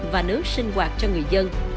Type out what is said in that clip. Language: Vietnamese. và nước sinh hoạt cho người dân